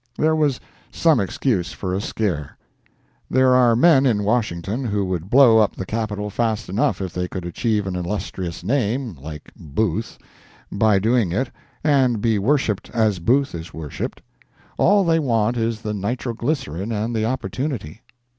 There was some excuse for a scare. There are men in Washington who would blow up the Capitol fast enough if they could achieve an illustrious name, like Booth, by doing it and be worshipped as Booth is worshipped. All they want is the nitro glycerine and the opportunity.